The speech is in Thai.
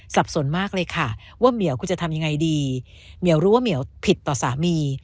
สับสนมากเลยค่ะว่าเหมียวคุณจะทำยังไงดีเหมียวรู้ว่าเหมียวผิดต่อสามี